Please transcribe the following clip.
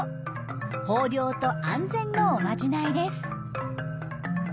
豊漁と安全のおまじないです。